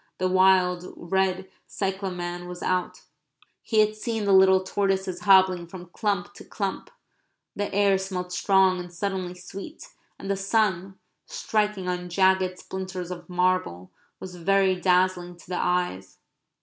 The wild red cyclamen was out; he had seen the little tortoises hobbling from clump to clump; the air smelt strong and suddenly sweet, and the sun, striking on jagged splinters of marble, was very dazzling to the eyes.